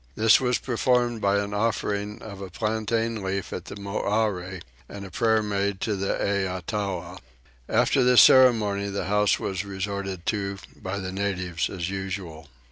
This was performed by an offering of a plantain leaf at the Morai, and a prayer made to the Eatua. After this ceremony the house was resorted to by the natives as usual.